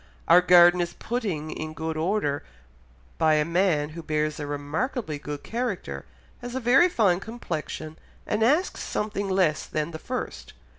"Our garden is putting in good order by a man who bears a remarkably good character, has a very fine complexion, and asks something less than the first.